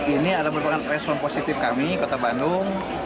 ini adalah merupakan respon positif kami kota bandung